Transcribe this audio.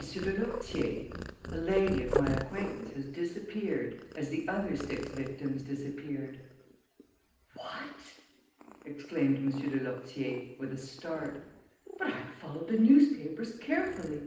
de Lourtier, a lady of my acquaintance has disappeared as the other six victims disappeared." "What!" exclaimed M. de Lourtier, with a start. "But I have followed the newspapers carefully.